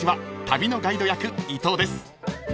旅のガイド役伊藤です］